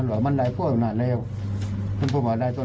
จากที่พวกมันเลี้ยงไก่ก่อน